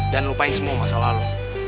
dan lupain semua masalah lu